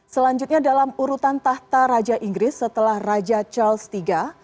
selanjutnya dalam urutan tahta raja inggris setelah raja charles iii